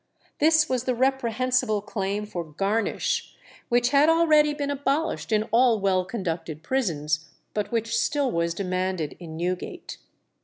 This was the reprehensible claim for "garnish," which had already been abolished in all well conducted prisons, but which still was demanded in Newgate.